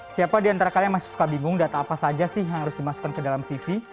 siapa di antara kalian masih suka bingung data apa saja sih yang harus dimasukkan ke dalam cv